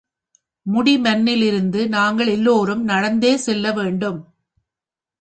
முடிமன்னிலிருந்து நாங்கள் எல்லோரும் நடந்தே செல்ல வேண்டும்.